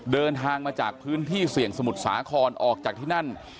เดินทางมาจากพื้นที่เสี่ยงสมุทรสาครออกจากที่นั่น